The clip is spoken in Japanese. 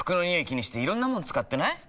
気にしていろんなもの使ってない？